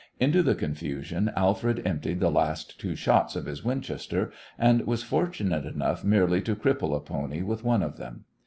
Into the confusion Alfred emptied the last two shots of his Winchester, and was fortunate enough merely to cripple a pony with one of them.